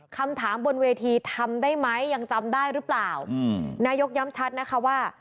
คำถามบนเวทีทำได้ไหมยังจำได้หรือเปล่าอืมนายกย้ำชัดนะคะว่า